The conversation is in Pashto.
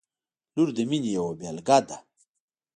• لور د مینې یوه بېلګه ده.